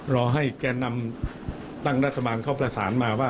รอให้แก่นำตั้งรัฐบาลเขาประสานมาว่า